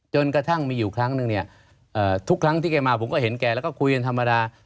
จนกระทั่งมีอยู่ครั้งนึงเนี่ยทุกครั้งที่แกมาผมก็เห็นแกแล้วก็คุยกันธรรมดา